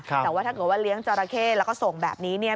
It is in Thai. แต่ว่าถ้าเกิดว่าเลี้ยงจราเข้แล้วก็ส่งแบบนี้เนี่ย